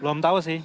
belum tahu sih